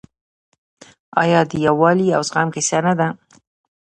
آیا د یووالي او زغم کیسه نه ده؟